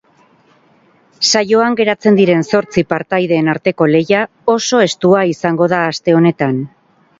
Saioan geratzen diren zortzi partaideen arteko lehia oso estua izango da aste honetan.